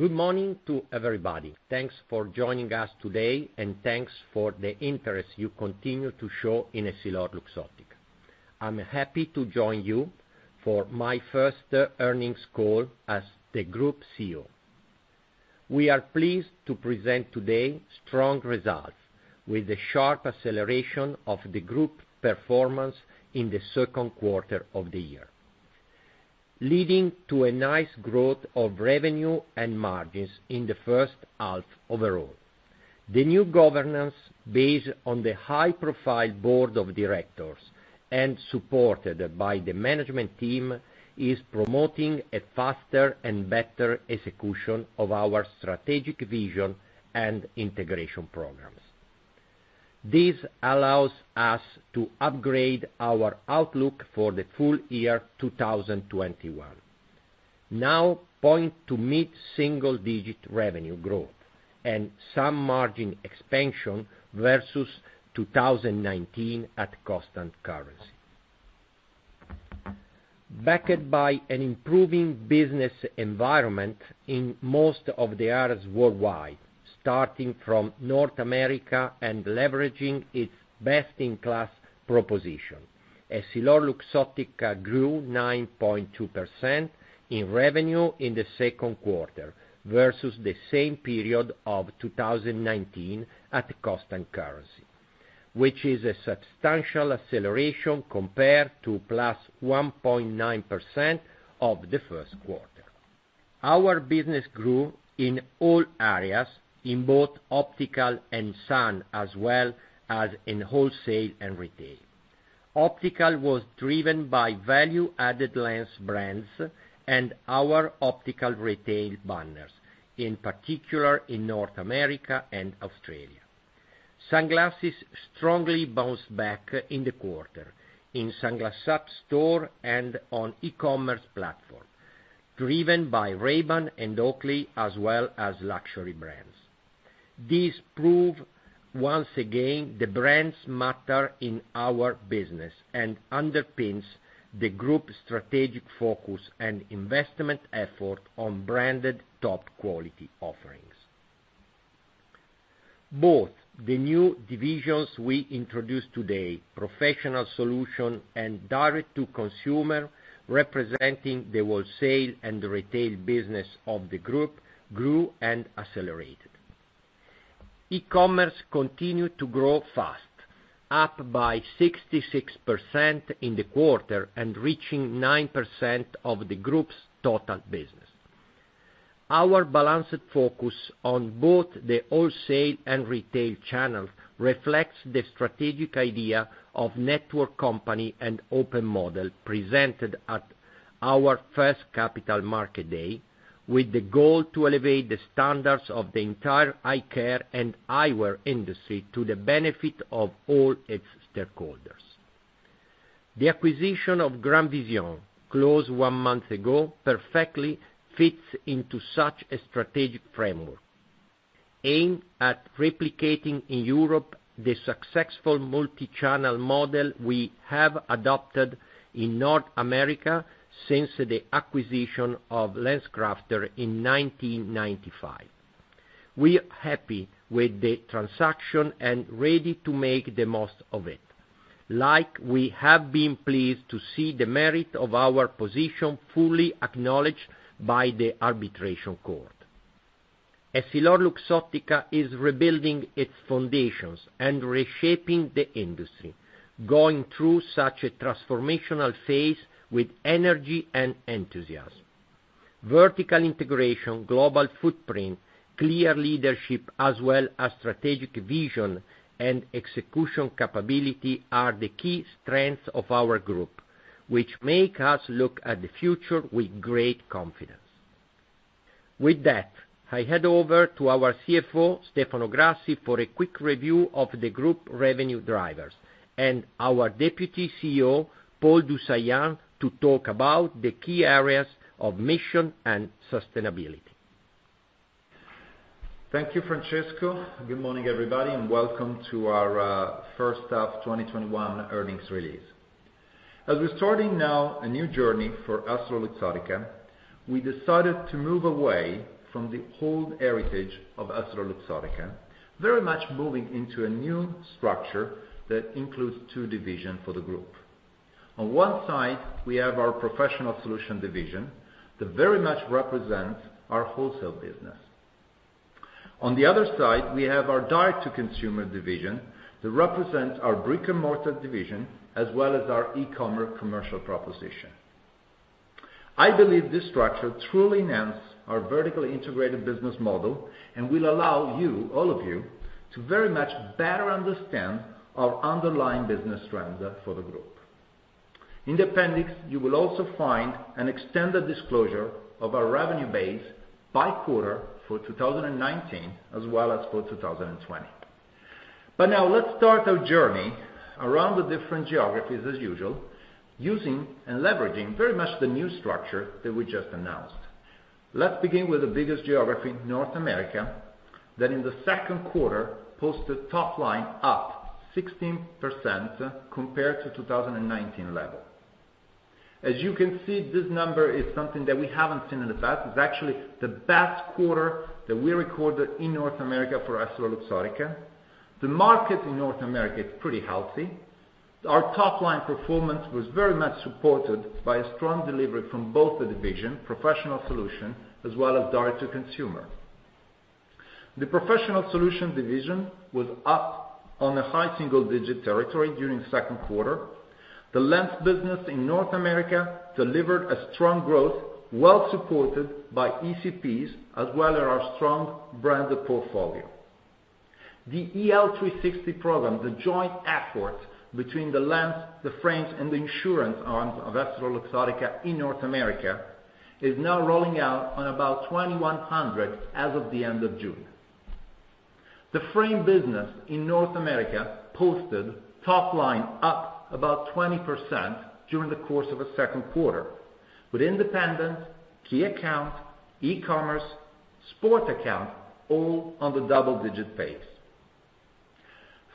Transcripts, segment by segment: Good morning to everybody. Thanks for joining us today, and thanks for the interest you continue to show in EssilorLuxottica. I'm happy to join you for my 1st earnings call as the group CEO. We are pleased to present today strong results with a sharp acceleration of the group performance in the second quarter of the year, leading to a nice growth of revenue and margins in the first half overall. The new governance, based on the high-profile Board of Directors and supported by the management team, is promoting a faster and better execution of our strategic vision and integration programs. This allows us to upgrade our outlook for the full year 2021, now point to mid-single-digit revenue growth and some margin expansion versus 2019 at constant currency. Backed by an improving business environment in most of the areas worldwide, starting from North America and leveraging its best-in-class proposition. EssilorLuxottica grew 9.2% in revenue in the second quarter versus the same period of 2019 at constant currency, which is a substantial acceleration compared to +1.9% of the first quarter. Our business grew in all areas, in both optical and sun, as well as in wholesale and retail. Optical was driven by value-added lens brands and our optical retail banners, in particular in North America and Australia. Sunglasses strongly bounced back in the quarter, in Sunglass Hut store and on e-commerce platform, driven by Ray-Ban and Oakley as well as luxury brands. This prove once again the brands matter in our business and underpins the group strategic focus and investment effort on branded top quality offerings. Both the new divisions we introduced today, Professional Solutions and Direct to Consumer, representing the wholesale and retail business of the group, grew and accelerated. E-commerce continued to grow fast, up by 66% in the quarter and reaching 9% of the group's total business. Our balanced focus on both the wholesale and retail channels reflects the strategic idea of network company and open model presented at our first Capital Markets Day, with the goal to elevate the standards of the entire eye care and eyewear industry to the benefit of all its stakeholders. The acquisition of GrandVision, closed one month ago, perfectly fits into such a strategic framework, aimed at replicating in Europe the successful multi-channel model we have adopted in North America since the acquisition of LensCrafters in 1995. We're happy with the transaction and ready to make the most of it. Like we have been pleased to see the merit of our position fully acknowledged by the arbitration court. EssilorLuxottica is rebuilding its foundations and reshaping the industry, going through such a transformational phase with energy and enthusiasm. Vertical integration, global footprint, clear leadership, as well as strategic vision and execution capability are the key strengths of our group, which make us look at the future with great confidence. With that, I hand over to our CFO, Stefano Grassi, for a quick review of the group revenue drivers and our Deputy CEO, Paul du Saillant, to talk about the key areas of mission and sustainability. Thank you, Francesco. Good morning, everybody, and welcome to our first half 2021 earnings release. As we're starting now a new journey for EssilorLuxottica, we decided to move away from the old heritage of EssilorLuxottica, very much moving into a new structure that includes two divisions for the group. On one side, we have our Professional Solutions division that very much represents our wholesale business. On the other side, we have our Direct to Consumer division that represents our brick-and-mortar division as well as our e-commerce commercial proposition. I believe this structure truly enhances our vertically integrated business model and will allow you, all of you, to very much better understand our underlying business trends for the group. In the appendix, you will also find an extended disclosure of our revenue base by quarter for 2019 as well as for 2020. Now let's start our journey around the different geographies as usual, using and leveraging very much the new structure that we just announced. Let's begin with the biggest geography, North America, that in the second quarter posted top line up 16% compared to 2019 level. As you can see, this number is something that we haven't seen in the past. It's actually the best quarter that we recorded in North America for EssilorLuxottica. The market in North America is pretty healthy. Our top-line performance was very much supported by a strong delivery from both the division, Professional Solutions, as well as Direct to Consumer. The Professional Solutions division was up on a high single-digit territory during the second quarter. The Lens business in North America delivered a strong growth, well supported by ECPs, as well as our strong branded portfolio. The EL 360 program, the joint effort between the lens, the frames, and the insurance arms of EssilorLuxottica in North America, is now rolling out on about 2,100 as of the end of June. The frame business in North America posted top-line up about 20% during the course of the second quarter, with independent, key account, e-commerce, sport account, all on the double-digit pace.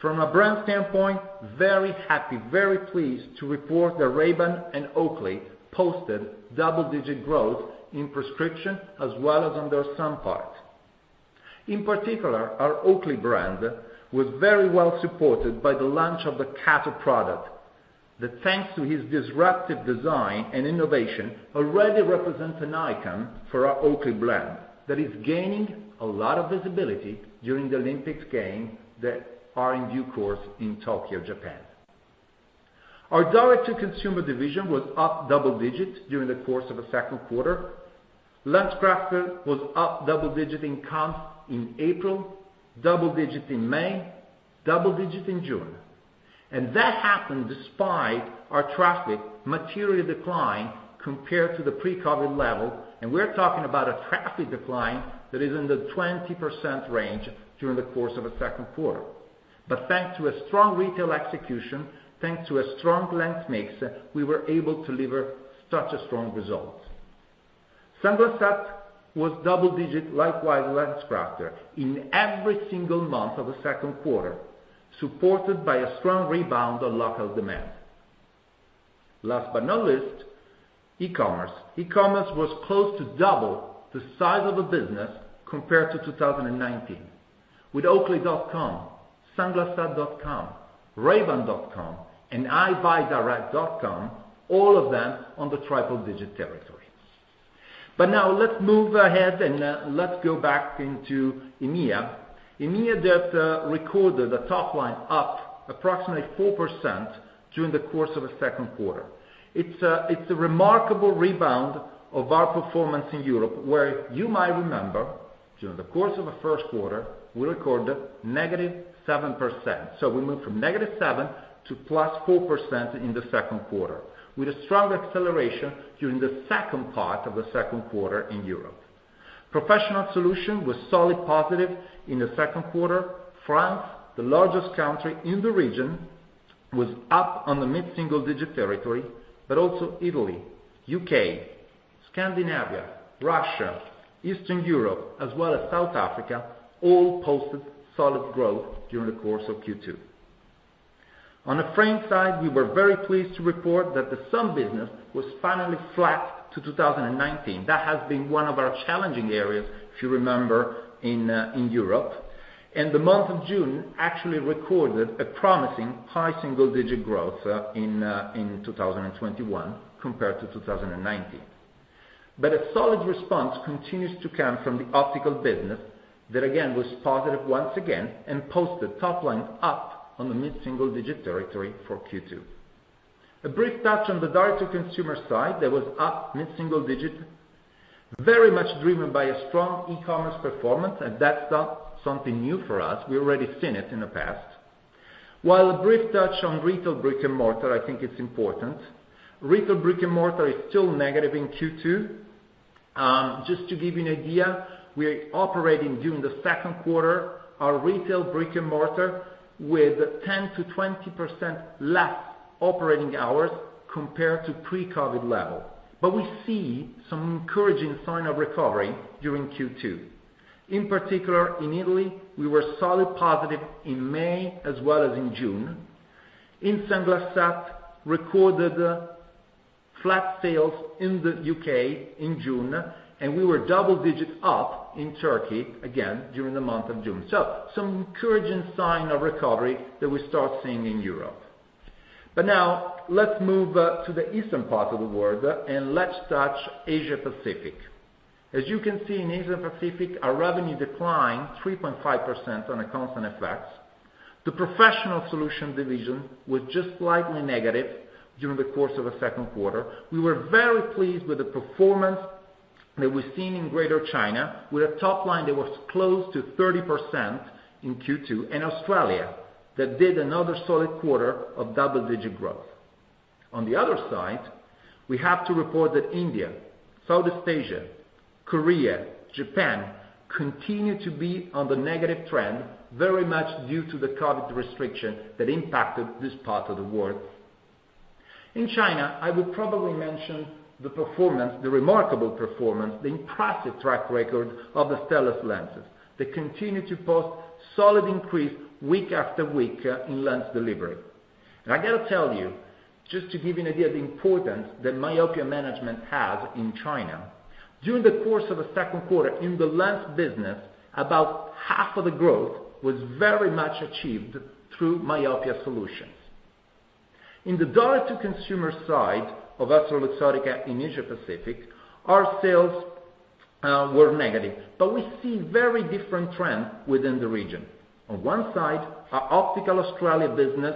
From a brand standpoint, very happy, very pleased to report that Ray-Ban and Oakley posted double-digit growth in prescription as well as on their sun part. In particular, our Oakley brand was very well supported by the launch of the Kato product, that thanks to its disruptive design and innovation, already represents an icon for our Oakley brand that is gaining a lot of visibility during the Olympic Games that are in due course in Tokyo, Japan. Our Direct to Consumer division was up double digits during the course of the second quarter. LensCrafters was up double digits in count in April, double digits in May, double digits in June. That happened despite our traffic materially decline compared to the pre-COVID level, and we're talking about a traffic decline that is in the 20% range during the course of the second quarter. Thanks to a strong retail execution, thanks to a strong lens mix, we were able to deliver such a strong result. Sunglass Hut was double digits, likewise LensCrafters, in every single month of the second quarter, supported by a strong rebound on local demand. Last but not least, e-commerce. E-commerce was close to double the size of the business compared to 2019, with oakley.com, sunglasshut.com, rayban.com, and eyebuydirect.com, all of them on the triple-digit territorie. Now, let's move ahead and let's go back into EMEA. EMEA that recorded a top line up approximately 4% during the course of the second quarter. It's a remarkable rebound of our performance in Europe, where you might remember during the course of the first quarter, we recorded -7%. We moved from n-7% to +4% in the second quarter, with a strong acceleration during the second part of the second quarter in Europe. Professional solutions was solidly positive in the second quarter. France, the largest country in the region, was up on the mid-single digit territory, also Italy, U.K., Scandinavia, Russia, Eastern Europe, as well as South Africa, all posted solid growth during the course of Q2. On the frame side, we were very pleased to report that the Sun business was finally flat to 2019. That has been one of our challenging areas, if you remember, in Europe. The month of June actually recorded a promising high single-digit growth in 2021 compared to 2019. A solid response continues to come from the optical business, that again, was positive once again and posted top line up on the mid-single digit territory for Q2. A brief touch on the Direct-to-Consumer side, that was up mid-single digit, very much driven by a strong e-commerce performance, and that's not something new for us. We've already seen it in the past. A brief touch on retail brick and mortar, I think it's important. Retail brick and mortar is still negative in Q2. Just to give you an idea, we are operating during the second quarter, our retail brick and mortar, with 10%-20% less operating hours compared to pre-COVID level. We see some encouraging sign of recovery during Q2. In particular, in Italy, we were solid positive in May as well as in June. In Sunglass Hut, recorded flat sales in the U.K. in June, and we were double digits up in Turkey, again, during the month of June. Some encouraging sign of recovery that we start seeing in Europe. Now, let's move to the eastern part of the world, and let's touch Asia-Pacific. As you can see, in Asia-Pacific, our revenue declined 3.5% on a constant FX. The professional solutions division was just slightly negative during the course of the second quarter. We were very pleased with the performance that we've seen in Greater China, with a top line that was close to 30% in Q2, and Australia, that did another solid quarter of double-digit growth. On the other side, we have to report that India, Southeast Asia, Korea, Japan, continue to be on the negative trend, very much due to the COVID restriction that impacted this part of the world. In China, I would probably mention the performance, the remarkable performance, the impressive track record of the Stellest lenses, that continue to post solid increase week after week in lens delivery. Just to give you an idea of the importance that myopia management has in China. During the course of the second quarter in the Lens business, about 1/2 of the growth was very much achieved through myopia solutions. In the direct-to-consumer side of EssilorLuxottica in Asia Pacific, our sales were negative, but we see very different trends within the region. On one side, our EssilorLuxottica Australia business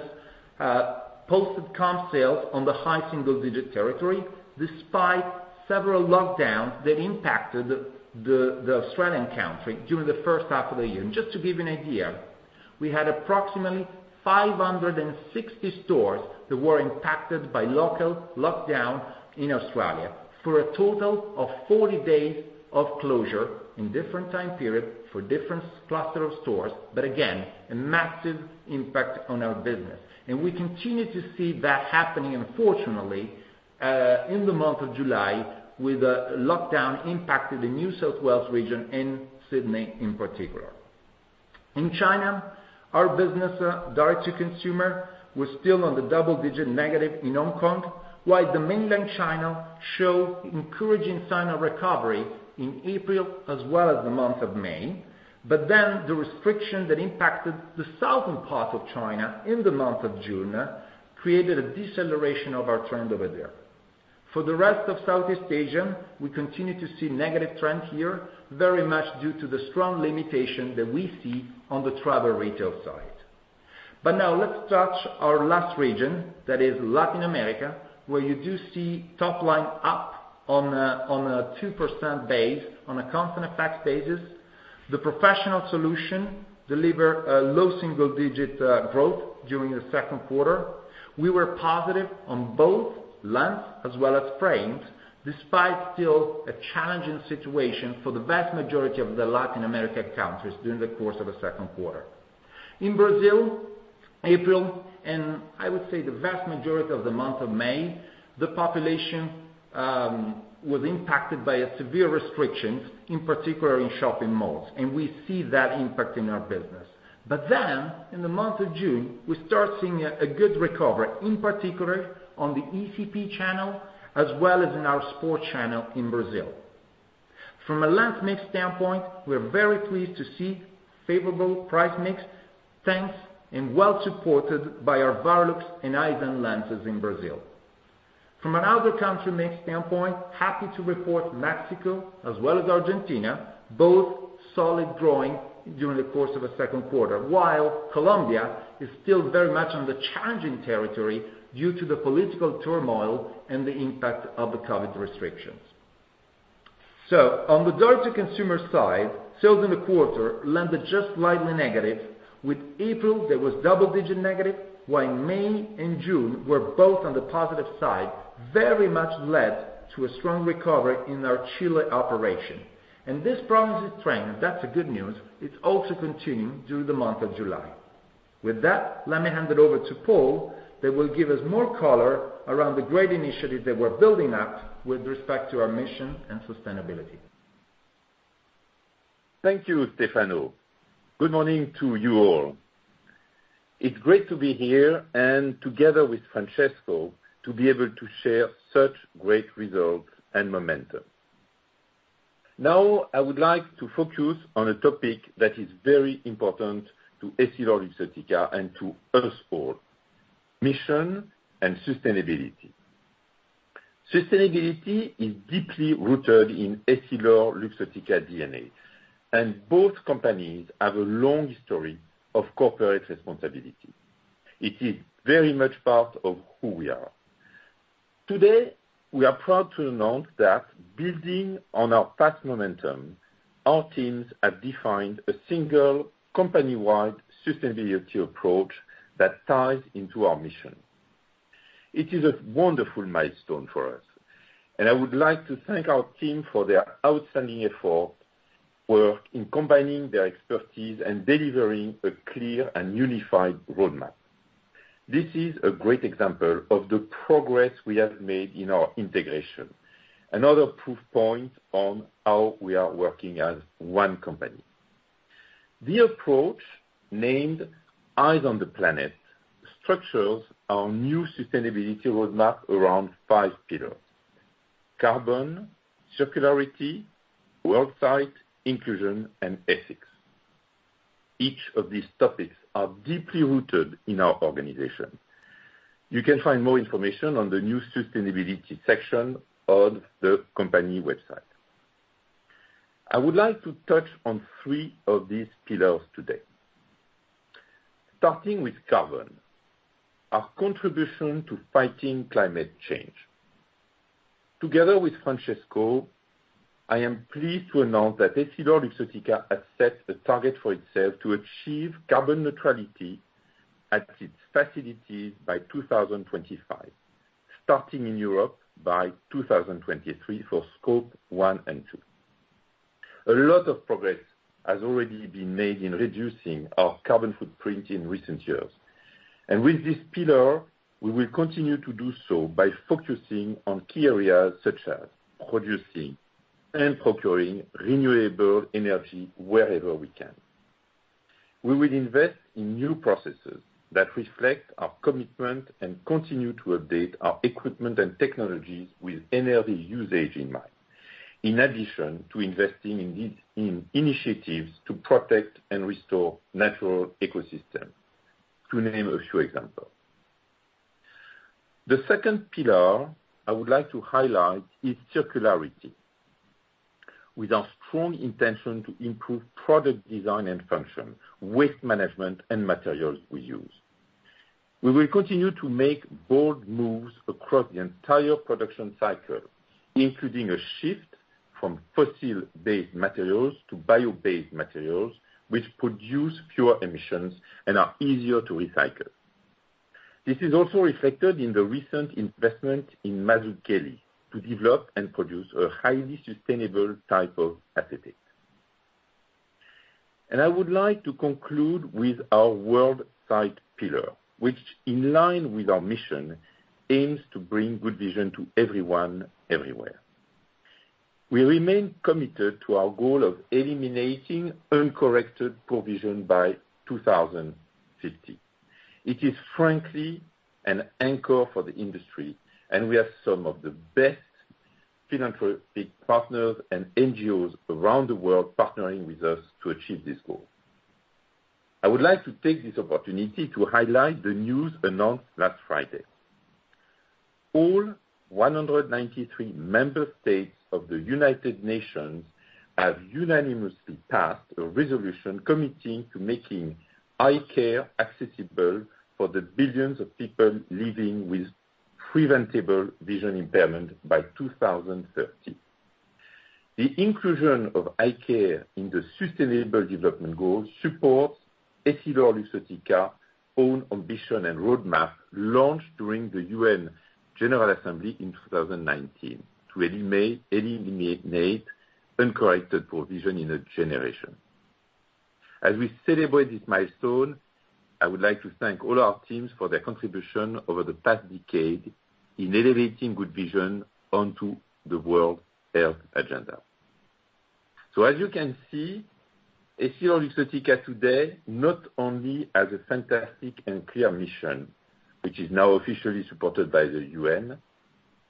posted comp sales on the high single-digit territory, despite several lockdowns that impacted the Australian country during the first half of the year. Just to give you an idea, we had approximately 560 stores that were impacted by local lockdown in Australia for a total of 40 days of closure in different time periods for different cluster of stores, again, a massive impact on our business. We continue to see that happening unfortunately, in the month of July with a lockdown impacting the New South Wales region and Sydney in particular. In China, our business Direct to Consumer was still on the double-digit negative in Hong Kong, while the mainland China showed encouraging sign of recovery in April as well as the month of May. The restriction that impacted the southern part of China in the month of June created a deceleration of our trend over there. For the rest of Southeast Asia, we continue to see negative trend here, very much due to the strong limitation that we see on the travel retail side. Let's touch our last region, that is Latin America, where you do see top line up on a 2% base on a constant effect basis. The Professional Solution deliver a low single-digit growth during the second quarter. We were positive on both lens as well as frames, despite still a challenging situation for the vast majority of the Latin America countries during the course of the second quarter. In Brazil, April, I would say the vast majority of the month of May, the population was impacted by severe restrictions, in particular in shopping malls. We see that impact in our business. In the month of June, we start seeing a good recovery, in particular on the ECP channel as well as in our sport channel in Brazil. From a lens mix standpoint, we're very pleased to see favorable price mix, thanks and well supported by our Varilux and Eyezen lenses in Brazil. From another country mix standpoint, happy to report Mexico as well as Argentina, both solid growing during the course of the second quarter, while Colombia is still very much on the challenging territory due to the political turmoil and the impact of the COVID restrictions. On the Direct to Consumer side, sales in the quarter landed just slightly negative with April that was double-digit negative, while May and June were both on the positive side, very much led to a strong recovery in our Chile operation. This promising trend, that's the good news, it also continued through the month of July. With that, let me hand it over to Paul that will give us more color around the great initiative that we're building up with respect to our mission and sustainability. Thank you, Stefano. Good morning to you all. It's great to be here and together with Francesco to be able to share such great results and momentum. Now, I would like to focus on a topic that is very important to EssilorLuxottica and to us all, mission and sustainability. Sustainability is deeply rooted in EssilorLuxottica DNA, and both companies have a long history of corporate responsibility. It is very much part of who we are. Today, we are proud to announce that building on our past momentum, our teams have defined a single company-wide sustainability approach that ties into our mission. It is a wonderful milestone for us, and I would like to thank our team for their outstanding effort, work in combining their expertise and delivering a clear and unified roadmap. This is a great example of the progress we have made in our integration. Another proof point on how we are working as one company. The approach named Eyes on the Planet structures our new sustainability roadmap around five pillars: carbon, circularity, Work Sight, inclusion, and ethics. Each of these topics are deeply rooted in our organization. You can find more information on the new sustainability section on the company website. I would like to touch on three of these pillars today. Starting with carbon, our contribution to fighting climate change. Together with Francesco, I am pleased to announce that EssilorLuxottica has set a target for itself to achieve carbon neutrality at its facilities by 2025, starting in Europe by 2023 for Scope 1 and 2. A lot of progress has already been made in reducing our carbon footprint in recent years. With this pillar, we will continue to do so by focusing on key areas such as producing and procuring renewable energy wherever we can. We will invest in new processes that reflect our commitment and continue to update our equipment and technologies with energy usage in mind. In addition to investing in initiatives to protect and restore natural ecosystems, to name a few examples. The second pillar I would like to highlight is circularity, with our strong intention to improve product design and function, waste management, and materials we use. We will continue to make bold moves across the entire production cycle, including a shift from fossil-based materials to bio-based materials, which produce pure emissions and are easier to recycle. This is also reflected in the recent investment in Mazzucchelli to develop and produce a highly sustainable type of acetate. I would like to conclude with our World Sight Pillar, which, in line with our mission, aims to bring good vision to everyone, everywhere. We remain committed to our goal of eliminating uncorrected poor vision by 2050. It is frankly an anchor for the industry, and we have some of the best philanthropic partners and NGOs around the world partnering with us to achieve this goal. I would like to take this opportunity to highlight the news announced last Friday. All 193 member states of the United Nations have unanimously passed a resolution committing to making eye care accessible for the billions of people living with preventable vision impairment by 2030. The inclusion of eye care in the Sustainable Development Goals supports EssilorLuxottica's own ambition and roadmap launched during the UN General Assembly in 2019 to eliminate uncorrected poor vision in a generation. As we celebrate this milestone, I would like to thank all our teams for their contribution over the past decade in elevating good vision onto the World Health agenda. As you can see, EssilorLuxottica today, not only has a fantastic and clear mission, which is now officially supported by the UN,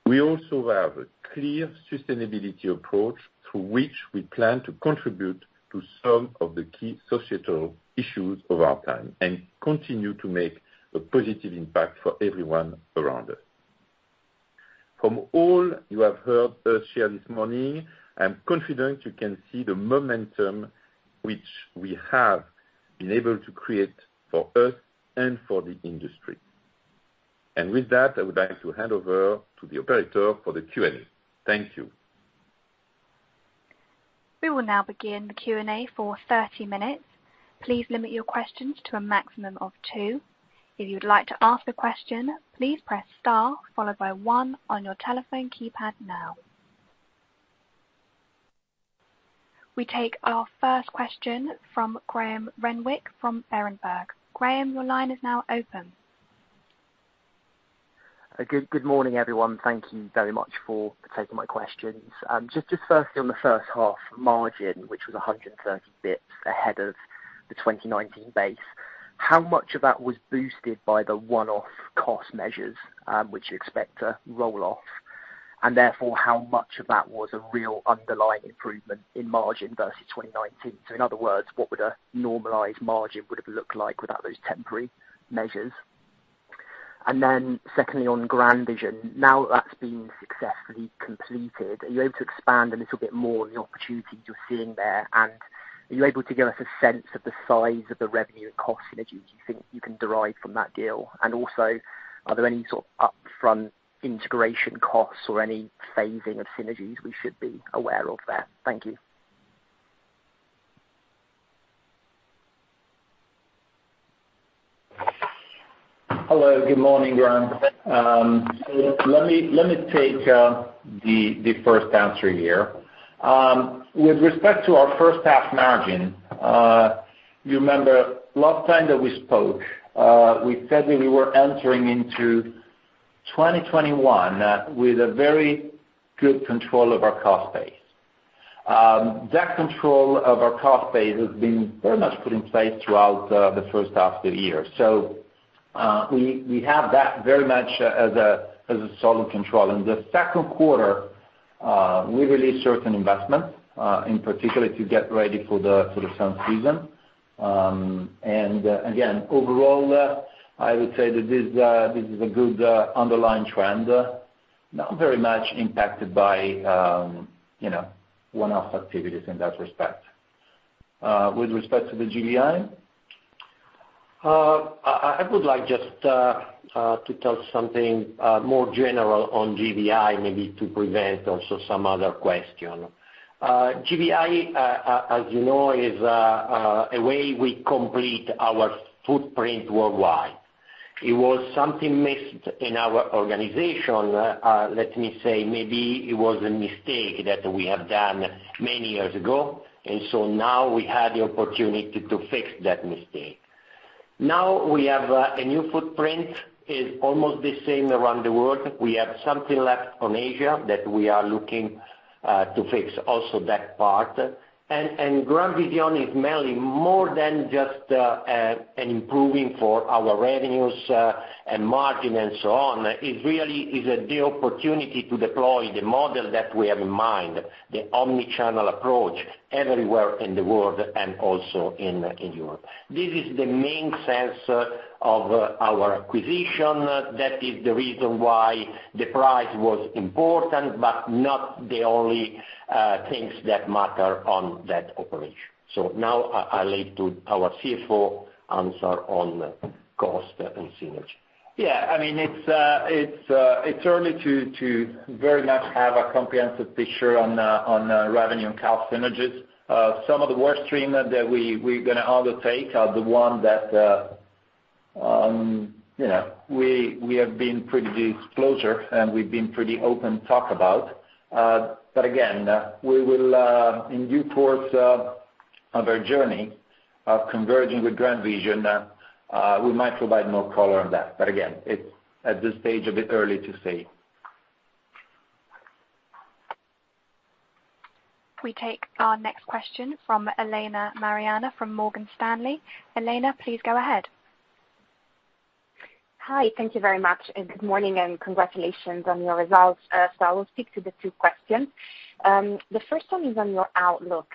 we also have a clear sustainability approach through which we plan to contribute to some of the key societal issues of our time and continue to make a positive impact for everyone around us. From all you have heard us share this morning, I'm confident you can see the momentum which we have been able to create for us and for the industry. With that, I would like to hand over to the operator for the Q&A. Thank you. We will now begin the Q&A for 30 minutes. Please limit your questions to a maximum of two. If you'd like to ask a question, please press star followed by one on your telephone keypad now. We take our first question from Graham Renwick from Berenberg. Graham, your line is now open. Good morning, everyone. Thank you very much for taking my questions. Just firstly, on the first half margin, which was 130 basis points ahead of the 2019 base, how much of that was boosted by the one-off cost measures, which you expect to roll off? Therefore, how much of that was a real underlying improvement in margin versus 2019? In other words, what would a normalized margin would've looked like without those temporary measures? Then secondly, on GrandVision. Now that that's been successfully completed, are you able to expand a little bit more on the opportunities you're seeing there? Are you able to give us a sense of the size of the revenue and cost synergies you think you can derive from that deal? Also, are there any sort of upfront integration costs or any phasing of synergies we should be aware of there? Thank you. Hello. Good morning, Graham. Let me take the first answer here. With respect to our first half margin, you remember last time that we spoke, we said that we were entering into 2021 with a very good control of our cost base. That control of our cost base has been very much put in place throughout the first half of the year. We have that very much as a solid control. In the second quarter, we released certain investments, in particular, to get ready for the sun season. Again, overall, I would say that this is a good underlying trend, not very much impacted by one-off activities in that respect. With respect to the GVI, I would like just to tell something more general on GVI, maybe to prevent also some other question. GrandVision, as you know, is a way we complete our footprint worldwide. It was something missed in our organization. Let me say, maybe it was a mistake that we have done many years ago, and so now we had the opportunity to fix that mistake. Now we have a new footprint. It's almost the same around the world. We have something left on Asia that we are looking to fix also that part. GrandVision is mainly more than just an improving for our revenues and margin and so on. It really is the opportunity to deploy the model that we have in mind, the omnichannel approach everywhere in the world and also in Europe. This is the main sense of our acquisition. That is the reason why the price was important, but not the only things that matter on that operation. Now I leave to our CFO answer on cost and synergy. Yeah. It's early to very much have a comprehensive picture on revenue and cost synergies. Some of the workstream that we're going to undertake are the one that we have been pretty disclosing, and we've been pretty open talk about. Again, we will, in due course of our journey of converging with GrandVision, we might provide more color on that. Again, it's at this stage a bit early to say. We take our next question from Elena Mariani from Morgan Stanley. Elena, please go ahead. Hi. Thank you very much, good morning, and congratulations on your results. I will speak to the two questions. The first one is on your outlook.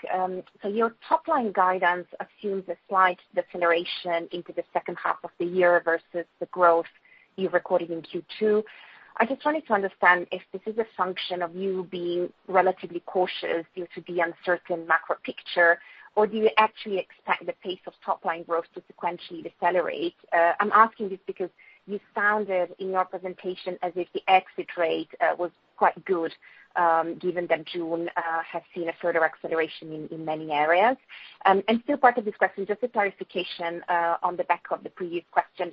Your top-line guidance assumes a slight deceleration into the second half of the year versus the growth you recorded in Q2. I just wanted to understand if this is a function of you being relatively cautious due to the uncertain macro picture, or do you actually expect the pace of top-line growth to sequentially decelerate? I'm asking this because you sounded in your presentation as if the exit rate was quite good, given that June has seen a further acceleration in many areas. Still part of this question, just a clarification on the back of the previous question.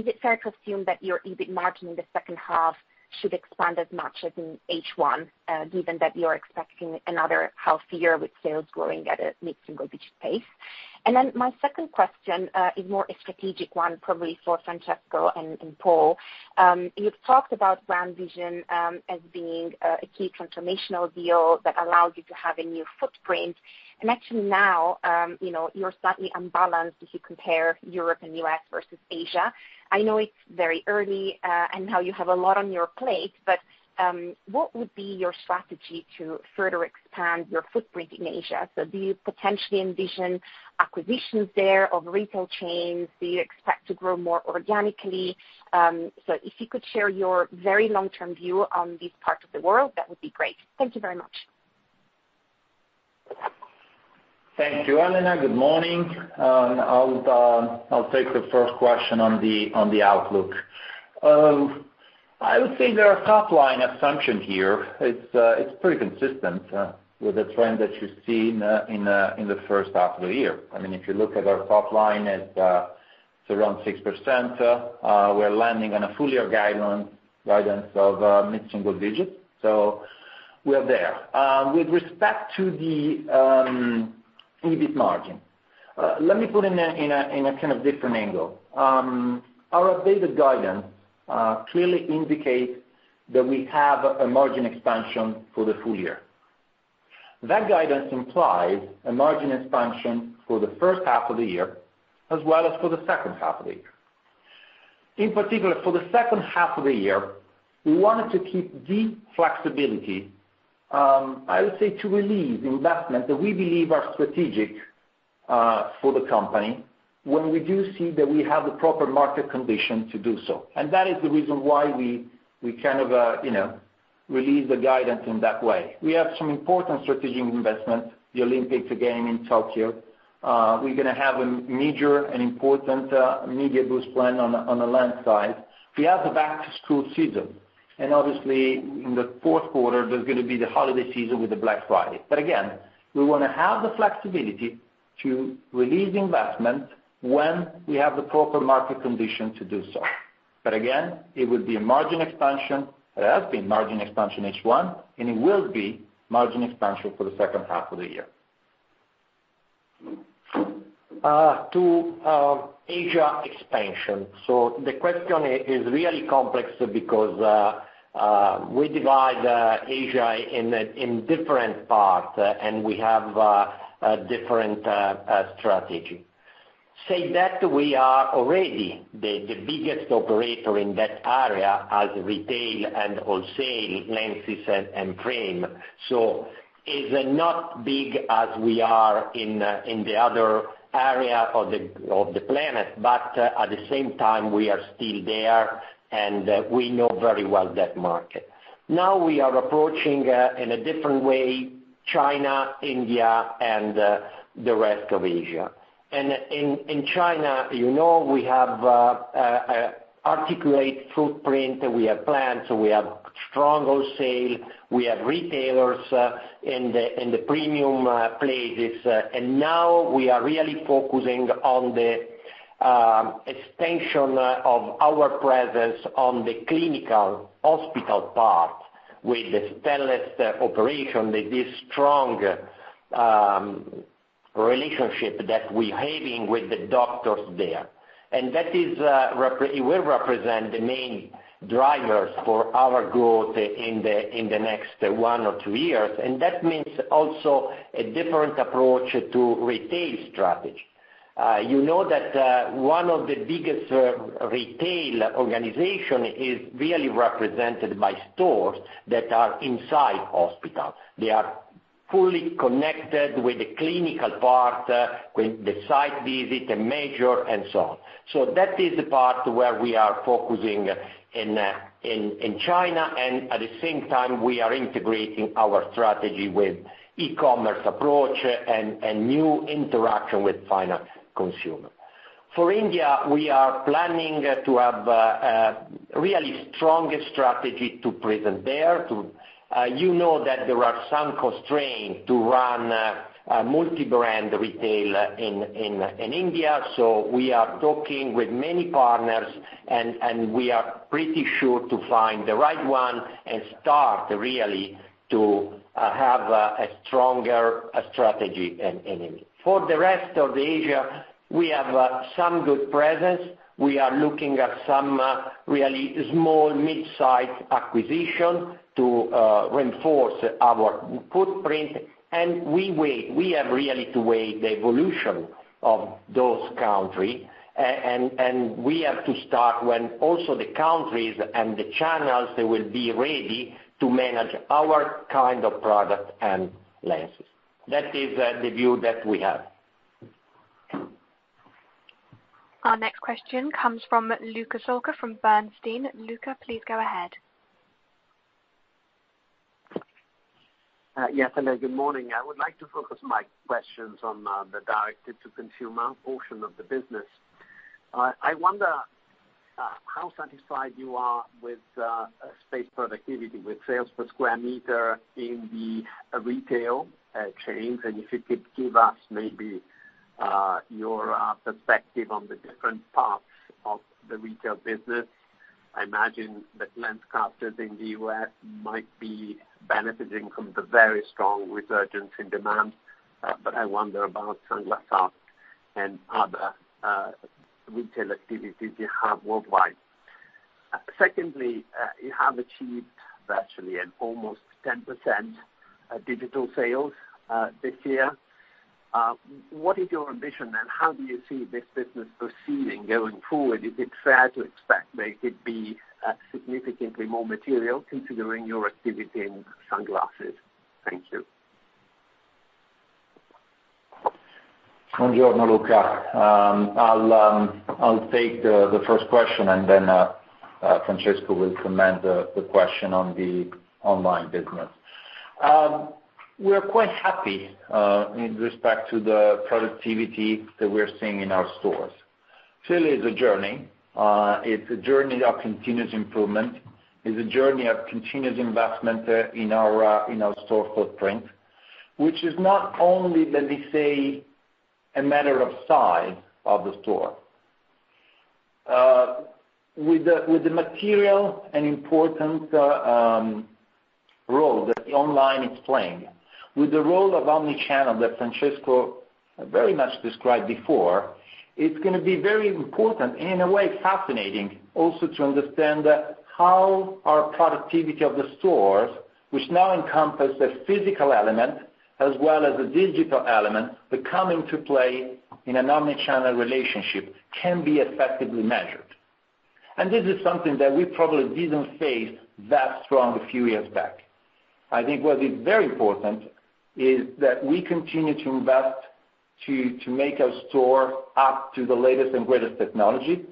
Is it fair to assume that your EBIT margin in the second half should expand as much as in H1, given that you're expecting another half year with sales growing at a mid-single digit pace? My second question is more a strategic one, probably for Francesco and Paul. You've talked about GrandVision as being a key transformational deal that allows you to have a new footprint. Actually now, you're slightly unbalanced if you compare Europe and U.S. versus Asia. I know it's very early, and now you have a lot on your plate, but what would be your strategy to further expand your footprint in Asia? Do you potentially envision acquisitions there of retail chains? Do you expect to grow more organically? If you could share your very long-term view on this part of the world, that would be great. Thank you very much. Thank you, Elena. Good morning. I'll take the first question on the outlook. I would say their top-line assumption here, it's pretty consistent with the trend that you see in the first half of the year. If you look at our top line at around 6%, we're landing on a full year guidance of mid-single digits. We're there. With respect to the EBIT margin, let me put it in a kind of different angle. Our updated guidance clearly indicates that we have a margin expansion for the full year. That guidance implies a margin expansion for the first half of the year, as well as for the second half of the year. In particular, for the second half of the year, we wanted to keep the flexibility, I would say, to release investment that we believe are strategic for the company when we do see that we have the proper market condition to do so. That is the reason why we kind of release the guidance in that way. We have some important strategic investments, the Olympics, again, in Tokyo. We're going to have a major and important media boost plan on the lens side. We have the back-to-school season. Obviously, in the fourth quarter, there's going to be the holiday season with the Black Friday. Again, we want to have the flexibility to release investments when we have the proper market condition to do so. Again, it would be a margin expansion. It has been margin expansion H1, and it will be margin expansion for the second half of the year. To Asia expansion. The question is really complex because we divide Asia in different parts, and we have a different strategy. Say that we are already the biggest operator in that area as retail and wholesale lenses and frame. It's not big as we are in the other area of the planet. At the same time, we are still there, and we know very well that market. Now we are approaching in a different way, China, India, and the rest of Asia. In China, we have articulate footprint, we have plants, we have strong wholesale, we have retailers in the premium places. Now we are really focusing on the expansion of our presence on the clinical hospital part. With the Stellest operation, with this strong relationship that we're having with the doctors there. That will represent the main drivers for our growth in the next one or two years. That means also a different approach to retail strategy. You know that one of the biggest retail organization is really represented by stores that are inside hospitals. They are fully connected with the clinical part, with the site visit, the measure, and so on. That is the part where we are focusing in China, and at the same time, we are integrating our strategy with e-commerce approach and new interaction with final consumer. For India, we are planning to have a really strong strategy to present there. You know that there are some constraints to run a multi-brand retail in India, so we are talking with many partners, and we are pretty sure to find the right one and start really to have a stronger strategy in India. For the rest of Asia, we have some good presence. We are looking at some really small mid-size acquisition to reinforce our footprint. We have really to weigh the evolution of those countries. We have to start when also the countries and the channels, they will be ready to manage our kind of product and lenses. That is the view that we have. Our next question comes from Luca Solca from Bernstein. Luca, please go ahead. Yes. Hello, good morning. I would like to focus my questions on the Direct to Consumer portion of the business. I wonder how satisfied you are with space productivity, with sales per square meter in the retail chains, and if you could give us maybe your perspective on the different parts of the retail business. I imagine that LensCrafters in the U.S. might be benefiting from the very strong resurgence in demand. I wonder about Sunglass Hut and other retail activities you have worldwide. Secondly, you have achieved virtually an almost 10% digital sales this year. What is your ambition? How do you see this business proceeding going forward? Is it fair to expect maybe it be significantly more material considering your activity in sunglasses? Thank you. Buongiorno, Luca. I'll take the first question. Francesco will comment the question on the Online business. We're quite happy in respect to the productivity that we're seeing in our stores. Clearly, it's a journey. It's a journey of continuous improvement. It's a journey of continuous investment in our store footprint, which is not only, let me say, a matter of size of the store. With the material and important role that online is playing, with the role of omnichannel that Francesco very much described before, it's going to be very important and in a way fascinating also to understand how our productivity of the stores, which now encompass the physical element as well as the digital element that come into play in an omnichannel relationship, can be effectively measured. This is something that we probably didn't face that strong a few years back. I think what is very important is that we continue to invest to make our store up to the latest and greatest technology.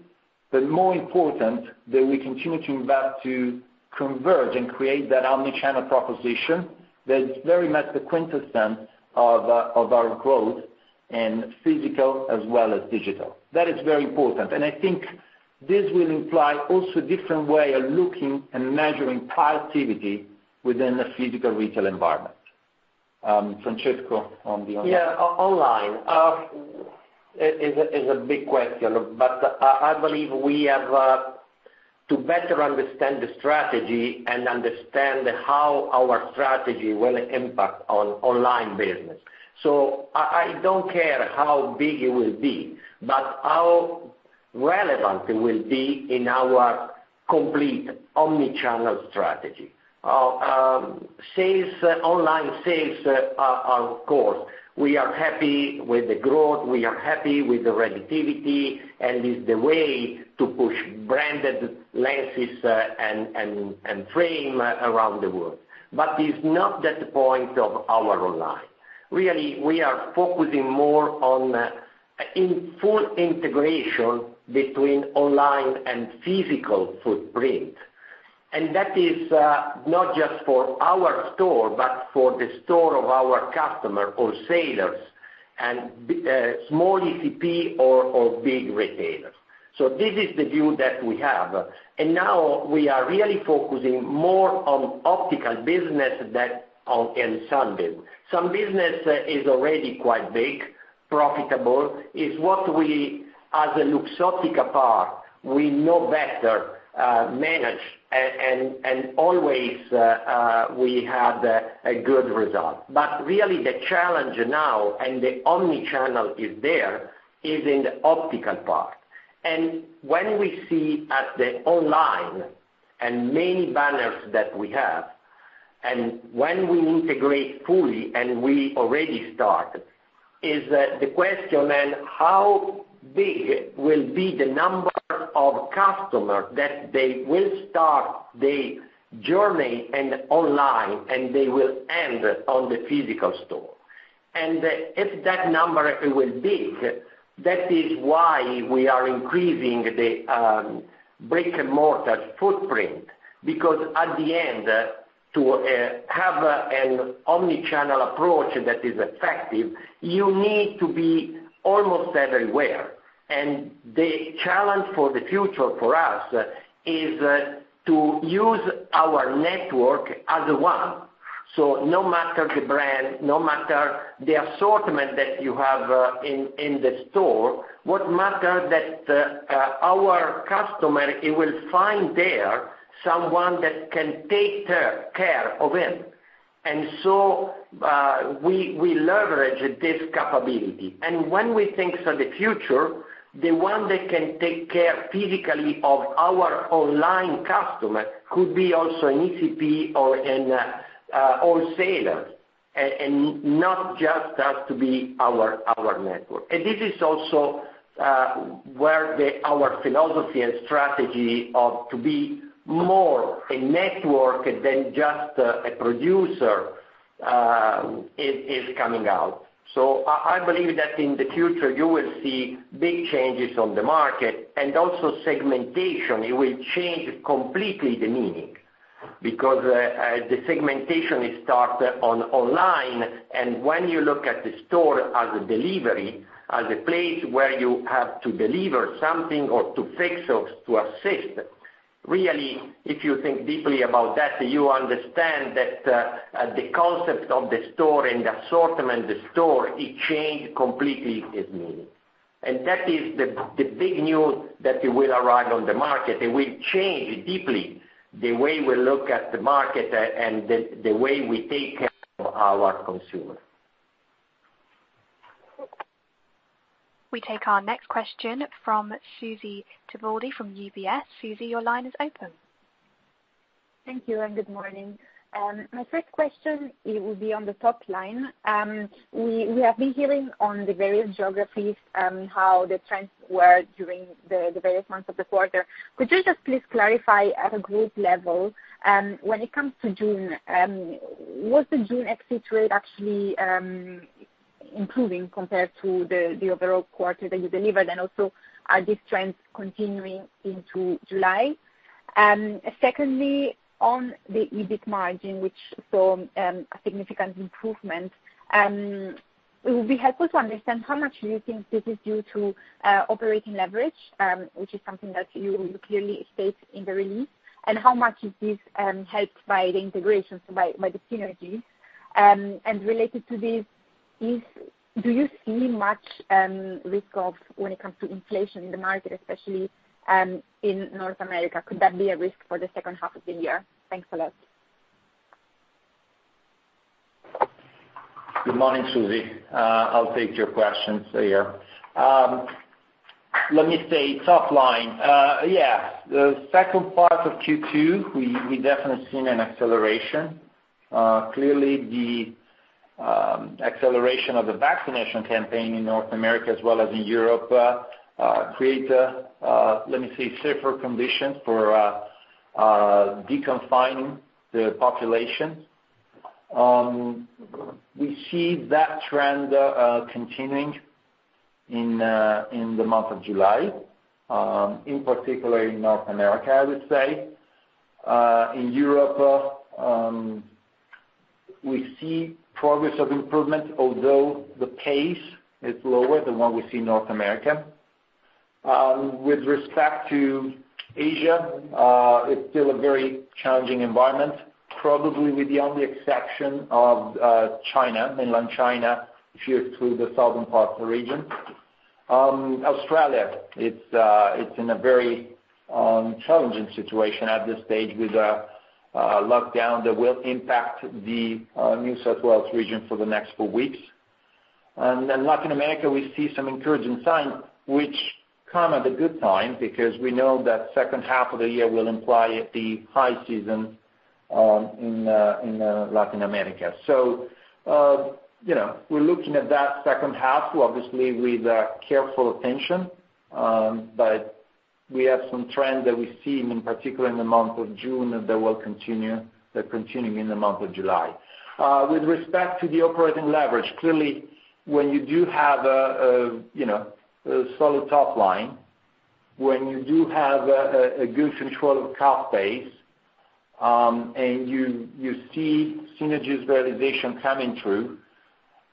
More important that we continue to invest to converge and create that omnichannel proposition that is very much the quintessence of our growth in physical as well as digital. That is very important. I think this will imply also different way of looking and measuring productivity within the physical retail environment. Francesco, on the Online. Yeah, Online. It is a big question, but I believe we have to better understand the strategy and understand how our strategy will impact on online business. I don't care how big it will be, but how relevant it will be in our complete omnichannel strategy. Online sales are our course. We are happy with the growth, we are happy with the relativity, it's the way to push branded lenses and frame around the world. It's not that point of our online. Really, we are focusing more on full integration between online and physical footprint. That is not just for our store, but for the store of our customer or sellers and small ECP or big retailers. This is the view that we have. Now we are really focusing more on optical business than on sun biz. Sun business is already quite big. Profitable is what we, as a Luxottica part, we know better manage, always we have a good result. Really the challenge now, the omnichannel is there, is in the optical part. When we see at the Online and many banners that we have, and when we integrate fully, and we already start, is the question then how big will be the number of customer that they will start the journey in online, and they will end on the physical store. If that number will be, that is why we are increasing the brick-and-mortar footprint, because at the end, to have an omnichannel approach that is effective, you need to be almost everywhere. The challenge for the future for us is to use our network as one. No matter the brand, no matter the assortment that you have in the store, what matter that our customer will find there someone that can take care of him. We leverage this capability. When we think of the future, the one that can take care physically of our online customer could be also an ECP or an wholesaler, and not just has to be our network. This is also where our philosophy and strategy of to be more a network than just a producer is coming out. I believe that in the future you will see big changes on the market and also segmentation, it will change completely the meaning. The segmentation starts online. When you look at the store as a delivery, as a place where you have to deliver something or to fix or to assist, really, if you think deeply about that, you understand that the concept of the store and the assortment, it changes completely its meaning. That is the big news that will arrive on the market. It will change deeply the way we look at the market and the way we take care of our consumer. We take our next question from Susy Tibaldi from UBS. Susy, your line is open. Thank you, and good morning. My first question, it will be on the top line. We have been hearing on the various geographies, how the trends were during the various months of the quarter. Could you just please clarify at a group level, when it comes to June, was the June ex-rate actually improving compared to the overall quarter that you delivered? Also, are these trends continuing into July? Secondly, on the EBIT margin, which saw a significant improvement, it would be helpful to understand how much you think this is due to operating leverage, which is something that you clearly state in the release, and how much is this helped by the integrations, by the synergies. Related to this, do you see much risk of when it comes to inflation in the market, especially in North America? Could that be a risk for the second half of the year? Thanks a lot. Good morning, Susy. I'll take your questions here. Let me say top line. Yeah, the second part of Q2, we definitely seen an acceleration. Clearly, the acceleration of the vaccination campaign in North America as well as in Europe, create, let me say, safer conditions for deconfining the population. We see that trend continuing in the month of July. In particular in North America, I would say. In Europe, we see progress of improvement, although the pace is lower than what we see in North America. With respect to Asia, it's still a very challenging environment, probably with the only exception of China, mainland China, if you exclude the southern part of the region. Australia, it's in a very challenging situation at this stage with a lockdown that will impact the New South Wales region for the next four weeks. Latin America, we see some encouraging signs, which come at a good time, because we know that second half of the year will imply the high season in Latin America. We're looking at that second half obviously with careful attention. We have some trend that we've seen, in particular in the month of June, that are continuing in the month of July. With respect to the operating leverage, clearly when you do have a solid top line, when you do have a good control of cost base, and you see synergies realization coming through,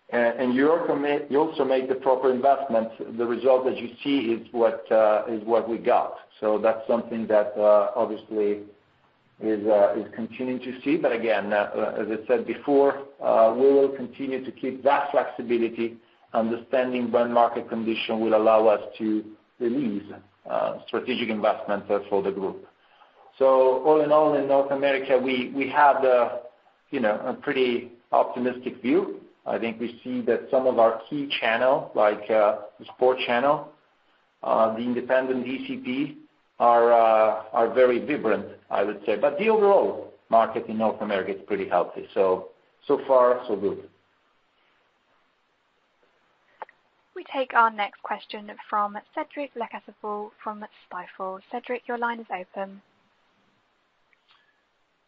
and you also make the proper investment, the result that you see is what we got. That's something that obviously is continuing to see. Again, as I said before, we will continue to keep that flexibility, understanding when market condition will allow us to release strategic investments as for the group. All in all, in North America, we have a pretty optimistic view. I think we see that some of our key channel, like the sport channel, the independent ECP, are very vibrant, I would say. The overall market in North America is pretty healthy. So far, so good. We take our next question from Cédric Lecasble from Stifel. Cédric, your line is open.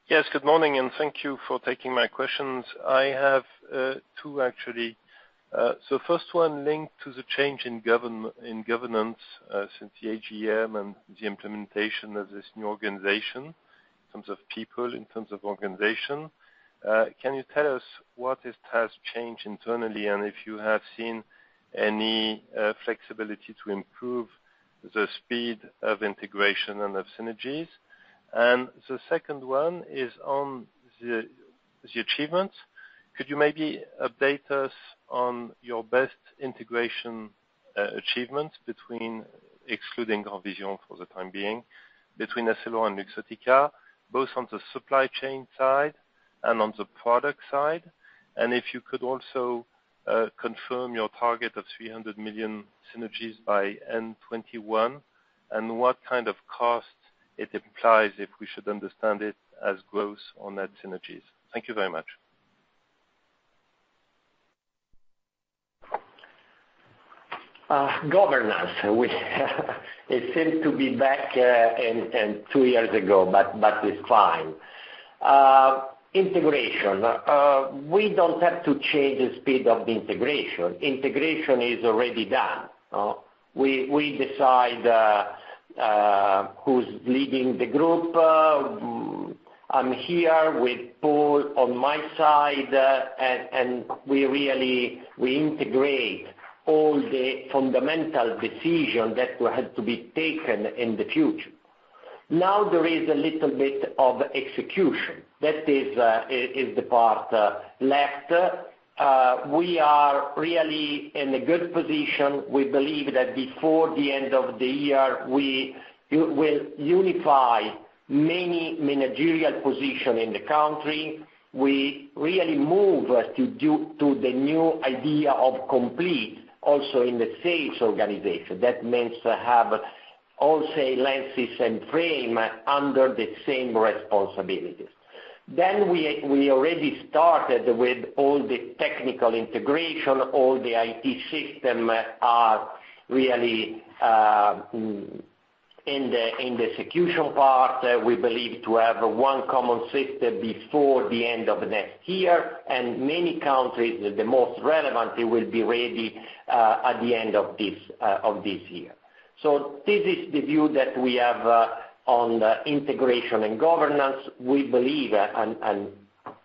Yes, good morning. Thank you for taking my questions. I have two, actually. First one linked to the change in governance since the AGM and the implementation of this new organization in terms of people, in terms of organization. Can you tell us what has changed internally and if you have seen any flexibility to improve the speed of integration and of synergies? The second one is on the achievements. Could you maybe update us on your best integration achievements between, excluding GrandVision for the time being, between Essilor and Luxottica, both on the supply chain side and on the product side? If you could also confirm your target of 300 million synergies by end 2021, and what kind of cost it implies if we should understand it as growth on net synergies. Thank you very much. Governance. It seems to be back in two years ago, but it's fine. Integration. We don't have to change the speed of the integration. Integration is already done. We decide who's leading the group. I'm here with Paul on my side. We integrate all the fundamental decisions that will have to be taken in the future. Now there is a little bit of execution. That is the part left. We are really in a good position. We believe that before the end of the year, we will unify many managerial position in the country. We really move to the new idea of complete also in the sales organization. That means to have all sale lenses and frame under the same responsibilities. We already started with all the technical integration, all the IT system are really in the execution part. We believe to have one common system before the end of next year, and many countries, the most relevant will be ready at the end of this year. This is the view that we have on the integration and governance. We believe, and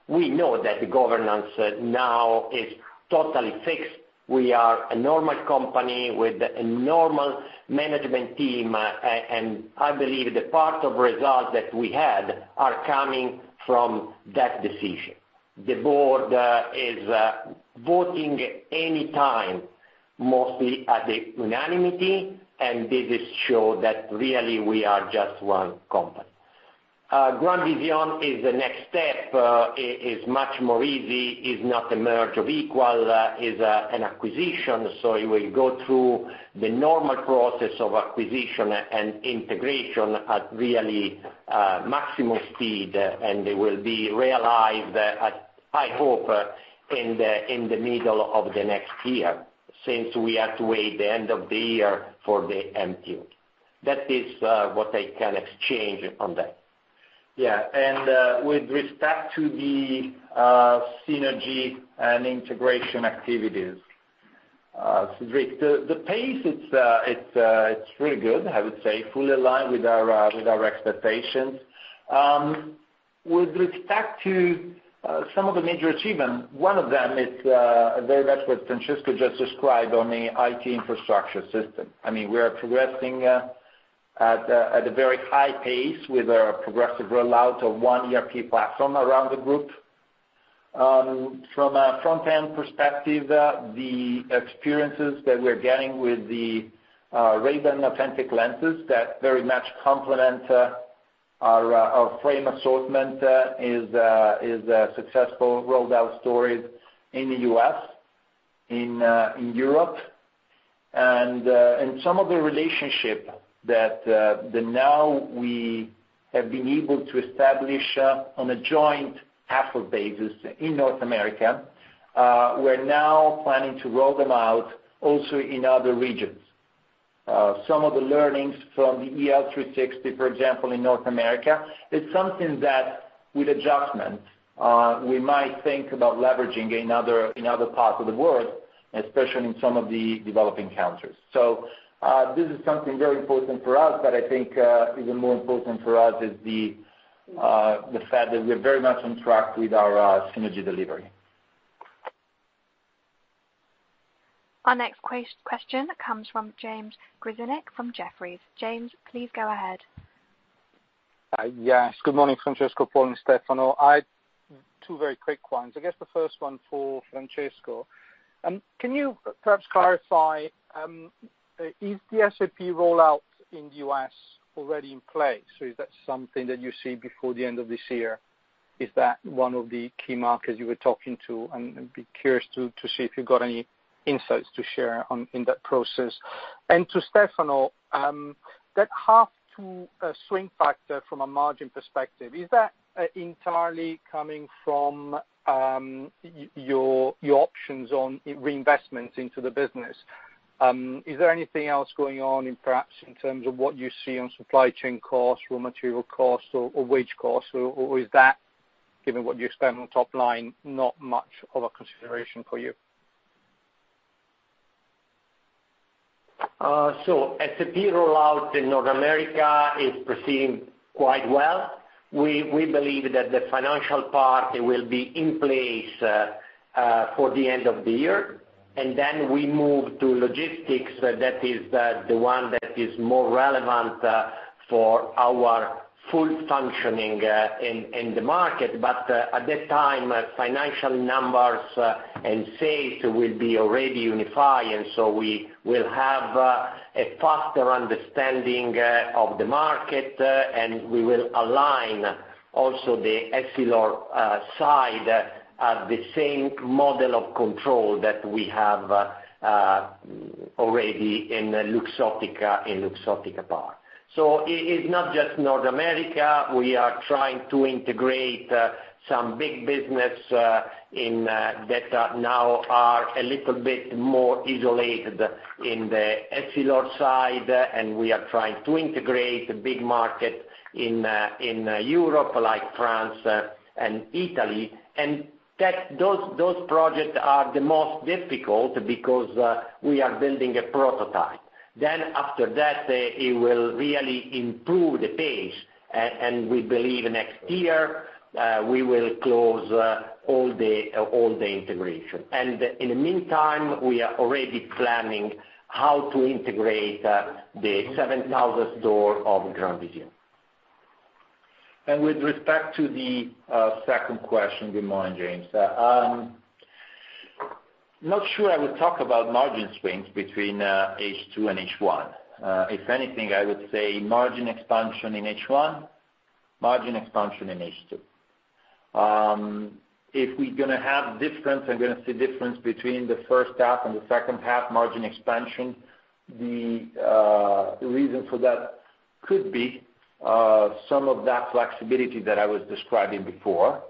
we know that the governance now is totally fixed. We are a normal company with a normal management team, and I believe the part of results that we had are coming from that decision. The Board is voting any time, mostly at the unanimity, and this show that really we are just one company. GrandVision is the next step, is much more easy, is not a merger of equals, is an acquisition. It will go through the normal process of acquisition and integration at really maximum speed, and they will be realized at, I hope, in the middle of the next year, since we have to wait the end of the year for the M deal. That is what I can exchange on that. With respect to the synergy and integration activities, Cédric, the pace, it's really good, I would say. Fully aligned with our expectations. With respect to some of the major achievements, one of them is very much what Francesco just described on the IT infrastructure system. We are progressing at a very high pace with our progressive rollout of one ERP platform around the group. From a front-end perspective, the experiences that we're getting with the Ray-Ban authentic lenses that very much complement our frame assortment is a successful rolled-out story in the U.S., in Europe. Some of the relationship that now we have been able to establish on a joint Apple basis in North America, we're now planning to roll them out also in other regions. Some of the learnings from the EL 360, for example, in North America, is something that with adjustment, we might think about leveraging in other parts of the world, especially in some of the developing countries. This is something very important for us, but I think even more important for us is the fact that we're very much on track with our synergy delivery. Our next question comes from James Grzinic from Jefferies. James, please go ahead. Yes. Good morning, Francesco, Paul, and Stefano. Two very quick ones. I guess the first one for Francesco. Can you perhaps clarify, is the SAP rollout in the U.S. already in place, or is that something that you see before the end of this year? Is that one of the key markets you were talking to? I'd be curious to see if you've got any insights to share in that process. To Stefano, that half two swing factor from a margin perspective, is that entirely coming from your options on reinvestment into the business? Is there anything else going on perhaps in terms of what you see on supply chain costs, raw material costs, or wage costs? Is that, given what you spend on top line, not much of a consideration for you SAP rollout in North America is proceeding quite well. We believe that the financial part will be in place for the end of the year. Then we move to logistics, that is the one that is more relevant for our full functioning in the market. At that time, financial numbers and sales will be already unified, and so we will have a faster understanding of the market, and we will align also the Essilor side at the same model of control that we have already in Luxottica and Luxottica part. It is not just North America. We are trying to integrate some big business that now are a little bit more isolated in the Essilor side, and we are trying to integrate a big market in Europe, like France and Italy. Those projects are the most difficult because we are building a prototype. After that, it will really improve the pace, and we believe next year we will close all the integration. In the meantime, we are already planning how to integrate the 7,000th store of GrandVision. With respect to the second question, good morning, James. I'm not sure I would talk about margin swings between H2 and H1. If anything, I would say margin expansion in H1, margin expansion in H2. If we're going to have difference and going to see difference between the first half and the second half margin expansion, the reason for that could be some of that flexibility that I was describing before.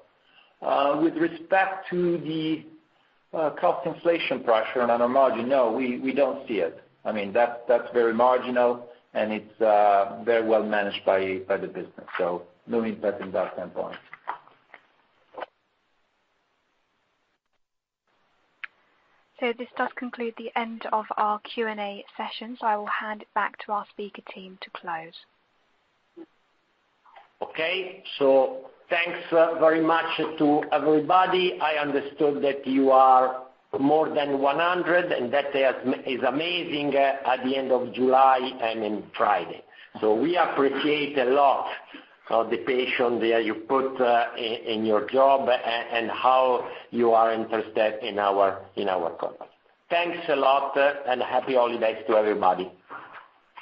With respect to the cost inflation pressure on our margin, no, we don't see it. That's very marginal, and it's very well managed by the business. No impact in that standpoint. This does conclude the end of our Q&A session, so I will hand it back to our speaker team to close. Okay. Thanks very much to everybody. I understood that you are more than 100, and that is amazing at the end of July and in Friday. We appreciate a lot of the passion that you put in your job and how you are interested in our company. Thanks a lot, and Happy holidays to everybody.